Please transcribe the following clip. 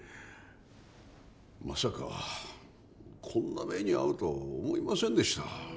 まさかこんな目に遭うとは思いませんでした。